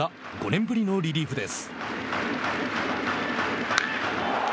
５年ぶりのリリーフです。